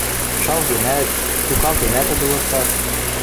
Шалгенӓт, сукалтенӓт ыдылыктат.